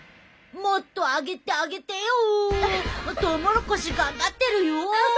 もっと上げてあげてよ！トウモロコシ頑張ってるよ！